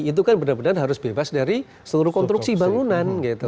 itu kan benar benar harus bebas dari seluruh konstruksi bangunan gitu